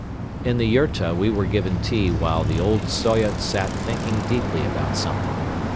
In the yurta we were given tea while the old Soyot sat thinking deeply about something.